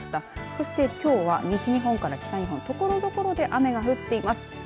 そして、きょうは西日本から北日本ところどころで雨が降っています。